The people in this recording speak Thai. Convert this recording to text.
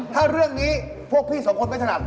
ถ้าเรื่องนี้พวกพี่สองคนไม่ถนัด